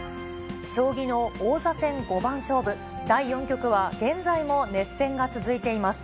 将棋の王座戦五番勝負第４局は現在も熱戦が続いています。